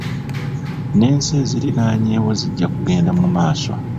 N'ensi eziriraanyeewo zijja kugenda mu maaso.